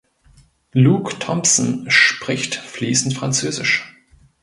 Luke Thompson spricht fließend Französisch.